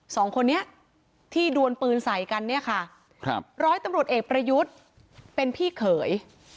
สองคนนี้ที่ดวนปืนใส่กันเนี่ยค่ะครับร้อยตำรวจเอกประยุทธ์เป็นพี่เขย